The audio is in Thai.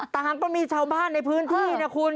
ตามก็มีชาวบ้านในพื้นที่นะคุณ